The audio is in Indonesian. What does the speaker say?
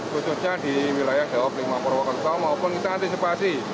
khususnya di wilayah jawa perwokerto maupun kita antisipasi